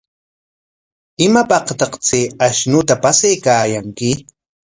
¿Imapaqtaq chay ashnuta paskaykaayanki?